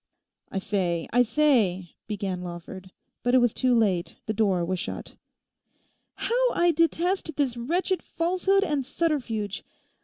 'I say, I say,' began Lawford; but it was too late, the door was shut. 'How I detest this wretched falsehood and subterfuge.